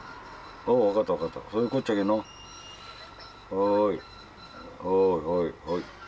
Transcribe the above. はいはいはいはい。